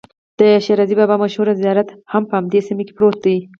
د شیرازي بابا مشهور زیارت هم په همدې سیمه کې پروت دی.